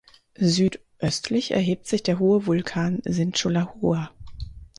Südöstlich erhebt sich der hohe Vulkan Sincholahua.